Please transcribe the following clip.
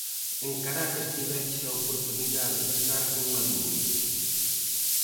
En Caracas tiveches a oportunidade de estar con Maduro.